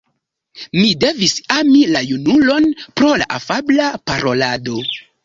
Mi devis ami la junulon pro la afabla parolado.